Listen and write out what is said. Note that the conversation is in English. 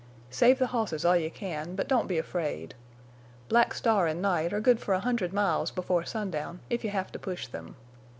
Save the hosses all you can, but don't be afraid. Black Star and Night are good for a hundred miles before sundown, if you have to push them.